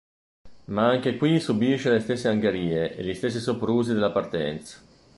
Ma anche qui subisce le stesse angherie e gli stessi soprusi della partenza.